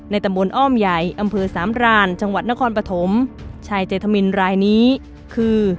ตำบลอ้อมใหญ่อำเภอสามรานจังหวัดนครปฐมชายเจธมินรายนี้คือ